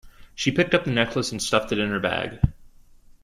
She picked up the necklace and stuffed it into her bag